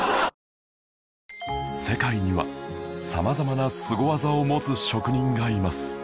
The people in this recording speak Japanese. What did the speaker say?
世界には様々なスゴ技を持つ職人がいます